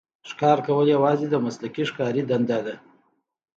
ښکار کول یوازې د مسلکي ښکاري دنده ده.